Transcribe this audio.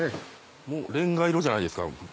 もうレンガ色じゃないですか？